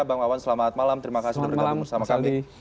bang wawan selamat malam terima kasih sudah bergabung bersama kami